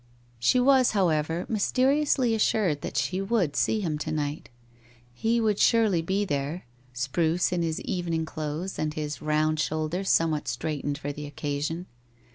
She was, however, mysteriously assured that she would see him to night. He would surely be there, spruce in his evening clothes and his round shoulders somewhat straightened for the occasion.